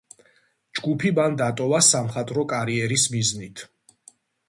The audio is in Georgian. ჯგუფი მან დატოვა სამხატვრო კარიერის მიზნით.